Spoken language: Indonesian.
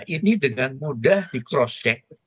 ini dengan mudah di cross check